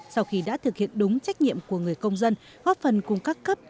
sau khi đã thực hiện đúng trách nhiệm của người công dân góp phần cùng các cấp